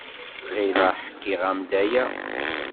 Ɣileɣ ḥkiɣ-am-d aya.